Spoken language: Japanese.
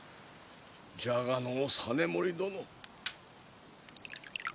じゃがのう実盛殿。